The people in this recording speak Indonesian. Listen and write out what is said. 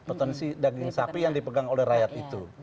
potensi daging sapi yang dipegang oleh rakyat itu